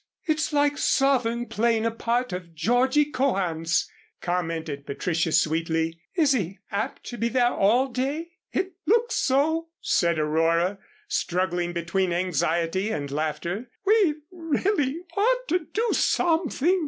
"It's like Sothern playing a part of Georgie Cohan's," commented Patricia, sweetly. "Is he apt to be there all day?" "It looks so," said Aurora, struggling between anxiety and laughter. "We really ought to do something."